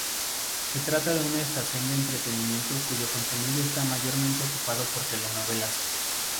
Se trata de una estación de entretenimiento cuyo contenido está mayormente ocupado por telenovelas.